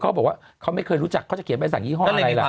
เขาบอกว่าเขาไม่เคยรู้จักเขาจะเขียนใบสั่งยี่ห้ออะไรล่ะ